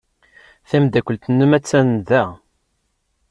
Tameddakelt-nnem attan da.